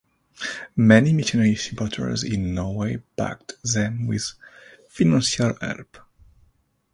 Many missionary supporters in Norway backed them with financial help.